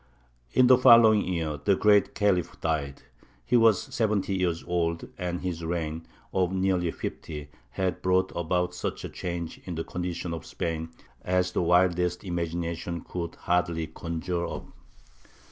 In the following year the great Khalif died. He was seventy years old, and his reign, of nearly fifty, had brought about such a change in the condition of Spain as the wildest imagination could hardly conjure up.